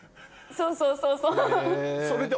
そうそうそうそう。